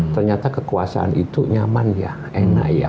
ternyata kekuasaan itu nyaman ya enak ya